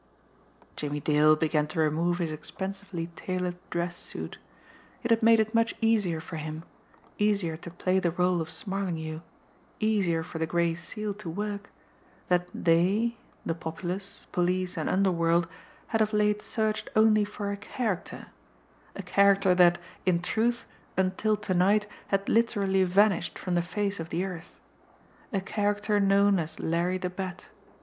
Jimmie Dale began to remove his expensively tailored dress suit. It had made it much easier for him, easier to play the role of Smarlinghue, easier for the Gray Seal to work, that they, the populace, police and underworld, had of late searched only for a character, a character that, in truth, until to night had literally vanished from the face of the earth a character known as Larry the Bat.